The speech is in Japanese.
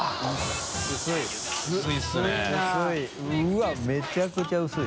わっめちゃくちゃ薄い。